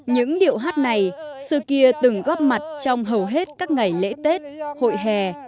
những điệu hát này xưa kia từng góp mặt trong hầu hết các ngày lễ tết hội hè